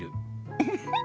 ウフフッ。